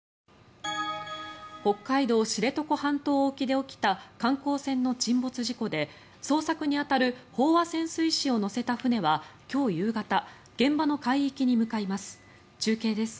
北海道・知床半島沖で起きた観光船の沈没事故で捜索に当たる飽和潜水士を乗せた船は今日夕方現場の海域に向かいます。